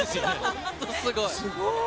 本当、すごい。